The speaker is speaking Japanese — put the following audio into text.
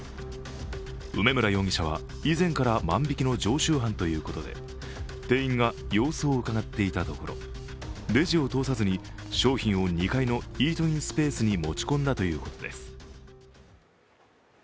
梅村容疑者は以前から万引きの常習犯ということで、店員が様子をうかがっていたところ、レジを通さずに商品を２階のイートインスペースに持ち込んだということです。